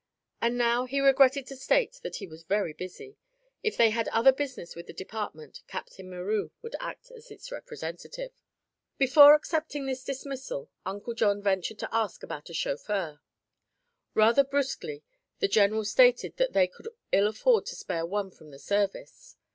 And now, he regretted to state that he was very busy; if they had other business with the department, Captain Meroux would act as its representative. Before accepting this dismissal Uncle John ventured to ask about a chauffeur. Rather brusquely the general stated that they could ill afford to spare one from the service.